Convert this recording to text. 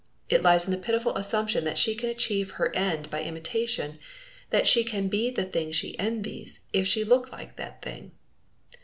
It lies in the pitiful assumption that she can achieve her end by imitation, that she can be the thing she envies if she look like that thing.